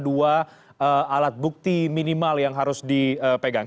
dua alat bukti minimal yang harus dipegang